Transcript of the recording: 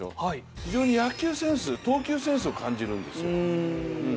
非常に野球センス投球センスを感じるんですよ。